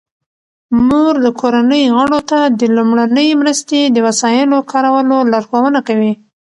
مور د کورنۍ غړو ته د لومړنۍ مرستې د وسایلو کارولو لارښوونه کوي.